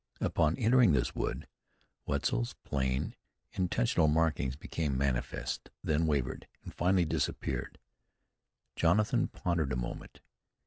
Upon entering this wood Wetzel's plain, intentional markings became manifest, then wavered, and finally disappeared. Jonathan pondered a moment.